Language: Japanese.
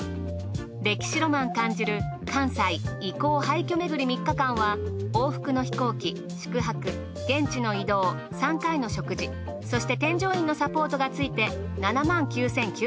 歴史ロマン感じる関西遺構廃墟めぐり３日間は往復の飛行機宿泊現地の移動３回の食事そして添乗員のサポートがついて。